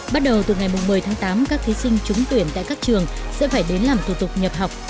bắt đầu từ ngày một mươi tháng tám các thí sinh trúng tuyển tại các trường sẽ phải đến làm thủ tục nhập học